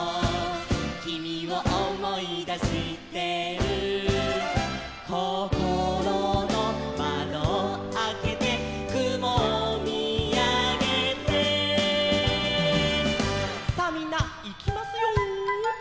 「君を思い出してる」「こころの窓をあけて」「雲を見あげて」さあみんないきますよ。